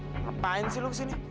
ngapain sih lo kesini